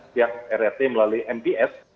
pihak rat melalui mps